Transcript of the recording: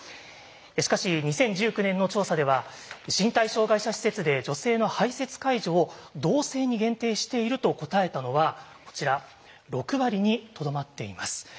しかし２０１９年の調査では身体障害者施設で女性の排せつ介助を同性に限定していると答えたのはこちら６割にとどまっています。